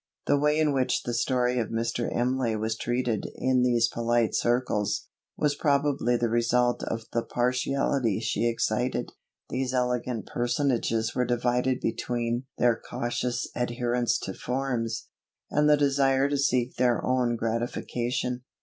The way in which the story of Mr. Imlay was treated in these polite circles, was probably the result of the partiality she excited. These elegant personages were divided between their cautious adherence to forms, and the desire to seek their own gratification.